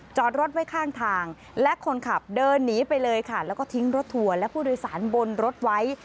จอดรถไว้ข้างทางและคนขับเดินหนีไปเลยค่ะแล้วก็ทิ้งรถทัวร์และผู้โดยสารบนรถไว้